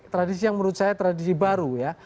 tradisi yang menurut saya tradisi baru ya